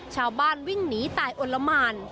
ชาวบ้านวิ่งหนีตายอลละหมาน